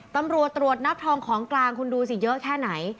ตำรวจตรวจนับทองของกลางคุณดูสิเยอะแค่ไหน